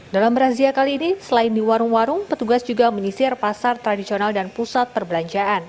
dalam razia kali ini selain di warung warung petugas juga menyisir pasar tradisional dan pusat perbelanjaan